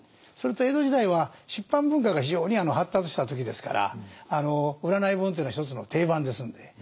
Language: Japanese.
それと江戸時代は出版文化が非常に発達した時ですから占い本というのは一つの定番ですんで。